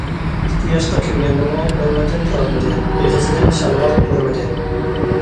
ئىككى ياشقا كىرگەندىمۇ ئورنىدىن تۇرالمىدى، ئېغىزىدىن شالۋاق قۇرۇمىدى.